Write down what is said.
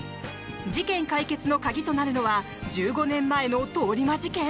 事件解決の鍵となるのは１５年前の通り魔事件？